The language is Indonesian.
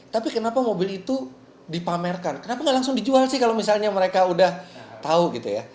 tapi kenapa mobil itu dipamerkan kenapa nggak langsung dijual sih kalau misalnya mereka udah tahu gitu ya